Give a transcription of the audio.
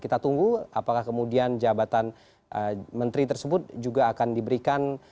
kita tunggu apakah kemudian jabatan menteri tersebut juga akan diberikan